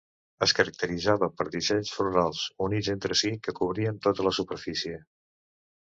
Es caracteritzava per dissenys florals units entre si que cobrien tota la superfície.